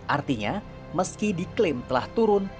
artinya meski diklaim telah turun